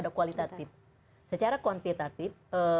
nah kalau kita melihat secara administratif